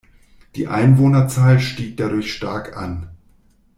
Die Einwohnerzahl stieg dadurch stark an.